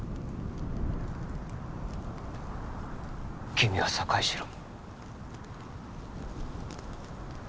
君は疎開しろ。